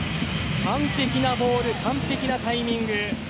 完璧なボール完璧なタイミング。